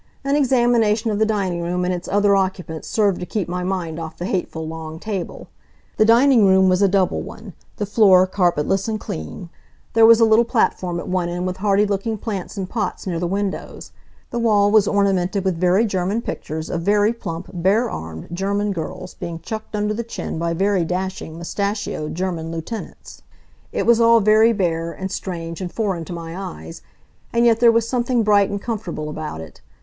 An examination of the dining room and its other occupants served to keep my mind off the hateful long table. The dining room was a double one, the floor carpetless and clean. There was a little platform at one end with hardy looking plants in pots near the windows. The wall was ornamented with very German pictures of very plump, bare armed German girls being chucked under the chin by very dashing, mustachioed German lieutenants. It was all very bare, and strange and foreign to my eyes, and yet there was something bright and comfortable about it.